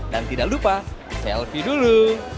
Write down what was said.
dan tidak lupa selfie dulu